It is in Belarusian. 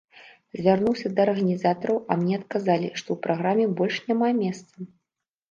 Звярнуўся да арганізатараў, а мне адказалі, што ў праграме больш няма месца.